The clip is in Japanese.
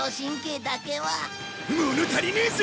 物足りねえぜ！